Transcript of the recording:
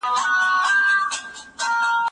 د ټولنیزو ارتباطاتو تعریف باید واضح وي.